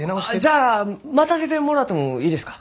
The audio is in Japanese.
じゃあ待たせてもろうてもえいですか？